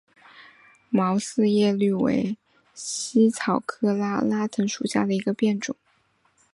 毛四叶葎为茜草科拉拉藤属下的一个变种。